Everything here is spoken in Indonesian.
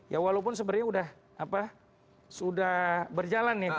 ya walaupun sebenarnya udah apa sudah berjalan ya